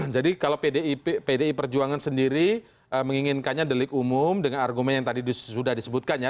jadi kalau pdi perjuangan sendiri menginginkannya delik umum dengan argumen yang tadi sudah disebutkan ya